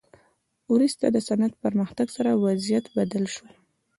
وروسته د صنعت پرمختګ سره وضعیت بدل شو.